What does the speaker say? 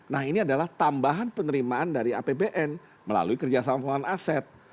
nah ini adalah tambahan penerimaan dari apbn melalui kerjasama pengelolaan aset